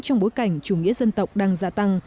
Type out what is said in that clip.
trong bối cảnh chủ nghĩa dân tộc đang gia tăng